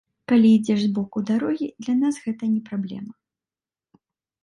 Калі ідзеш збоку дарогі, для нас гэта не праблема.